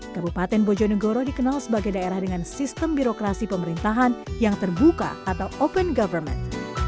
kabupaten bojonegoro dikenal sebagai daerah dengan sistem birokrasi pemerintahan yang terbuka atau open government